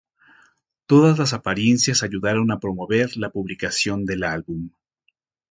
Todas las apariencias ayudaron a promover la publicación del álbum.